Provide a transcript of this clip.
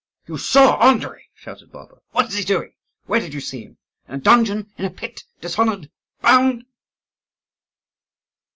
"You saw Andrii!" shouted Bulba. "What is he doing? Where did you see him? In a dungeon? in a pit? dishonoured? bound?"